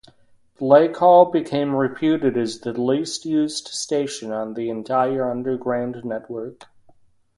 Blake Hall became reputed as the least-used station on the entire Underground network.